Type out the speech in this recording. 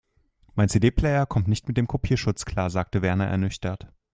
Mein CD-Player kommt nicht mit dem Kopierschutz klar, sagt Werner ernüchtert.